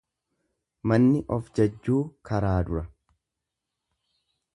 Manni of jajjuu karaa dura.